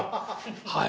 はい。